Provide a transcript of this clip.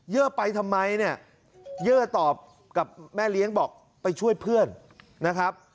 ไปทำไมเนี่ยเยื่อตอบกับแม่เลี้ยงบอกไปช่วยเพื่อนนะครับ